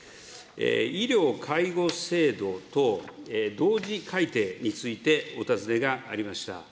医療・介護制度等同時改定について、お尋ねがありました。